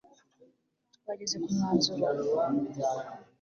Twageze ku mwanzuro